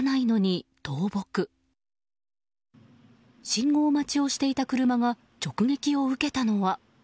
信号待ちをしていた車が直撃を受けたのは。